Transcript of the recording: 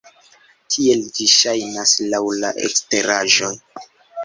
Tiel ĝi ŝajnas laŭ la eksteraĵo.